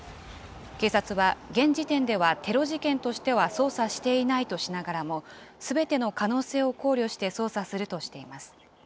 警察は、現時点ではテロ事件としては捜査していないとしながらも、すべての可能性を考慮して捜査するとしています。